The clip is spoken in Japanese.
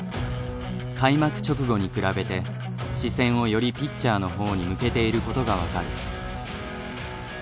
開幕直後に比べて視線をよりピッチャーのほうに向けていることが分かる。